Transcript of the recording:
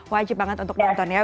wajib banget untuk nonton ya